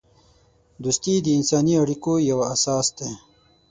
دوستی د انسانی اړیکو یوه اساس ده.